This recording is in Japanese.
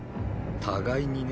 互いにね。